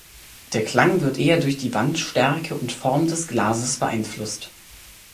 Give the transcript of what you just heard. Der Klang wird eher durch die Wandstärke und Form des Glases beeinflusst.